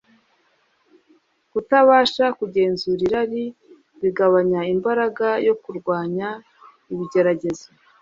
kutabasha kugenzura irari bigabanya imbaraga yo kurwanya ibigeragezo